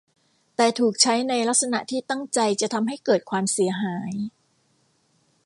แต่ถูกใช้ในลักษณะที่ตั้งใจจะทำให้เกิดความเสียหาย